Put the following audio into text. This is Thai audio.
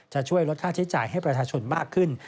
จะช่วยลดค่าใช้จ่ายให้ประชาชนมากขึ้น